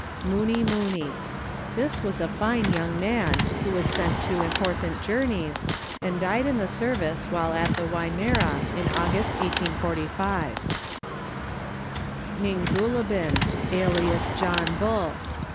Moonee Moonee. This was a fine young man, who was sent two important journeys, and died in the service while at the Wimmera in August 1845. Nangollibill (Ning goolobin), alias John Bull.